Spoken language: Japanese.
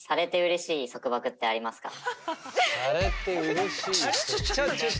されてうれしい束縛？